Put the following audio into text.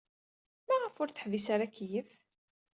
Maɣef ur teḥbis ara akeyyef?